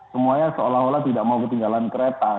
semuanya seolah olah tidak mau ketinggalan kereta